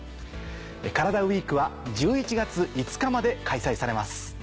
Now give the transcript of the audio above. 「カラダＷＥＥＫ」は１１月５日まで開催されます。